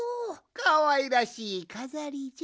かわいらしいかざりじゃ。